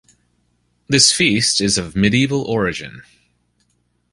This feast is of medieval origin.